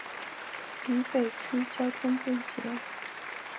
渝北区交通便捷。